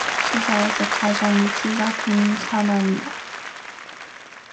세상에서 가장 키가 큰 사나이다.